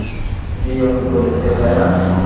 কী অপূর্ব দেখতে, তাই না?